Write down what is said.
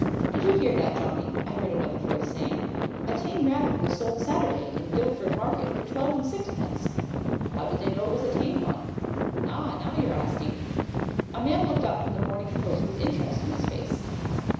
"Did you hear that, Johnny?" I heard another voice saying. "A tame rabbit was sold Sat'day in Guildford market for twelve and sixpence!" "How did they know it was a tame one?" "Ah, now you're asking!" A man looked up from The Morning Post with interest in his face.